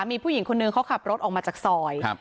มีผู้หญิงคนนึงเขาขับรถออกมาจากซอย